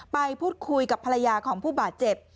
ไปพูดคุยกับภรรยาของผู้บาดเจ็บ